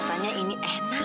tapi aku mengingkirkan